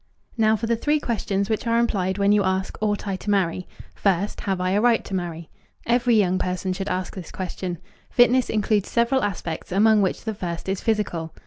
Now for the three questions which are implied when you ask, "Ought I to marry?" First, "Have I a right to marry?" Every young person should ask this question. Fitness includes several aspects, among which the first is physical.